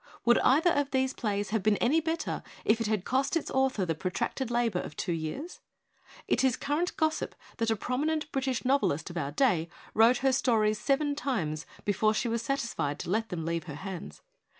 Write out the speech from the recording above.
Would either of these plays have been any bet ter if it had cost its author the protracted labor of two years ? It is current gossip that a promi nent British novelist of our day wrote her stories seven times before she was satisfied to let them leave her hands.